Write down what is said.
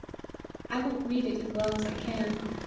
I will read it as well as I can.